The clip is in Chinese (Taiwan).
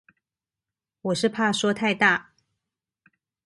我是怕說太大